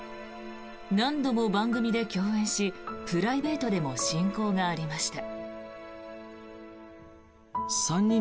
何度も番組で共演しプライベートでも親交がありました。